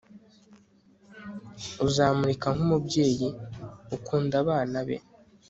uzamurika nk'umubyeyi?ukunda abana be